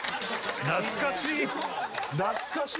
懐かしい！